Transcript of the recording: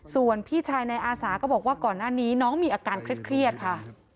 ส่วนพี่ชายในอาสาก็บอกว่าก่อนหน้านี้น้องมีอาการเครียดค่ะ